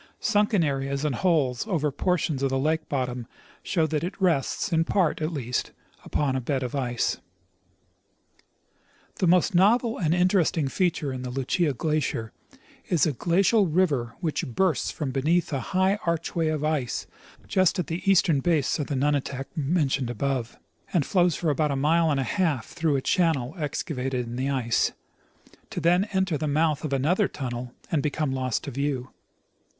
Sunken areas and holes over portions of the lake bottom show that it rests, in j)art at least, upon a bed of ice. The most novel and interesting feature in the Lucia glacier is a glacial river which bursts from beneath a high archway of ice just at the eastern base of the nunatak mentioned above, and flows for about a mile and a half through a channel excavated in the ice, to then enter the mouth of another tunnel and become lost to view.